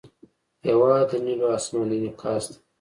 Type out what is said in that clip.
هېواد د نیلو آسمان انعکاس دی.